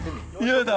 嫌だ！